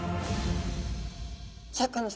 シャーク香音さま